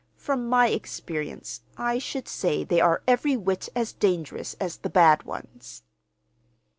From my experience I should say they are every whit as dangerous as the bad ones."